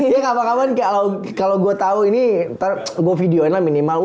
ya nggak apa apaan kalau gue tau ini ntar gue videoin lah minimal